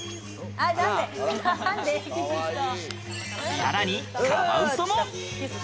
さらにカワウソも。